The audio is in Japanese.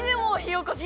おこし。